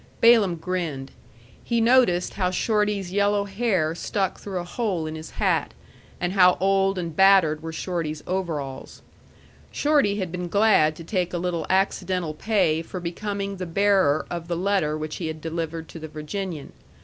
Balaam grinned. He noticed how Shorty's yellow hair stuck through a hole in his hat, and how old and battered were Shorty's overalls. Shorty had been glad to take a little accidental pay for becoming the bearer of the letter which he had delivered to the Virginian.